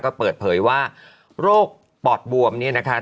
ก็เปิดเผยว่าโรคปอดบวมเนี่ยนะคะ